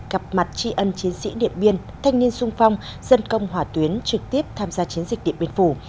gặp mặt tri ân chiến sĩ điện biên thanh niên sung phong dân công hỏa tuyến trực tiếp tham gia chiến dịch điện biên phủ